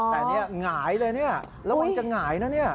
แต่นี่หงายเลยเนี่ยแล้วมึงจะหงายนะเนี่ย